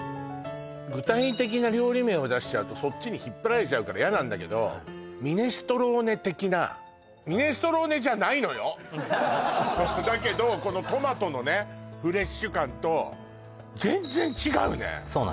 具体的な料理名を出しちゃうとそっちに引っ張られちゃうから嫌なんだけどミネストローネ的なミネストローネじゃないのよだけどこのトマトのねフレッシュ感と全然違うねそうなんです